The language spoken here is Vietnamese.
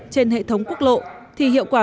trên hệ thống quốc lộ thì hiệu quả